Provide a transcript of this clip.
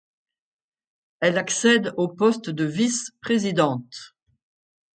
Elle accède au poste de vice-présidente.